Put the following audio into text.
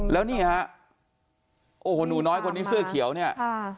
แล้วนี่ฮะโอ้โหหนูน้อยคนนี้เสื้อเขียวเนี่ยค่ะ